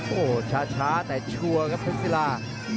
โอ้ช้าจักรภูเซลลา